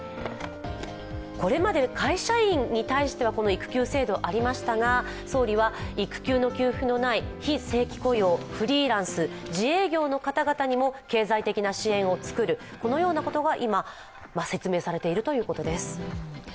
これまで会社員に対しては育休制度、ありましたが総理は、育休の給付のない非正規雇用、フリーランス、自営業の方々にも経済的支援を作る、このようなことが今説明されているということです。